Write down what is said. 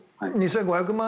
２５００万